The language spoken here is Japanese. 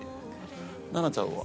奈々ちゃんは？